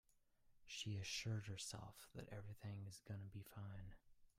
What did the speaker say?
She assured herself that everything is gonna be fine.